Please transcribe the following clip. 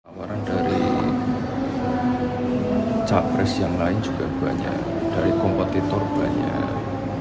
tawaran dari capres yang lain juga banyak dari kompetitor banyak